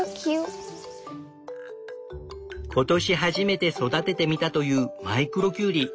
今年初めて育ててみたというマイクロキュウリ。